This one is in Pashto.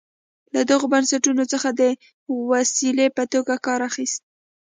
له دغو بنسټونو څخه د وسیلې په توګه کار اخیست.